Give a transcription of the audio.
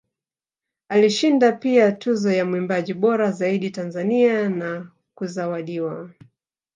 Alishinda pia Tuzo ya Mwimbaji bora zaidi Tanzania na kuzawadiwa